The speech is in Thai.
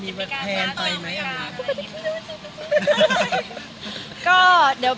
มีปิดฟงปิดไฟแล้วถือเค้กขึ้นมา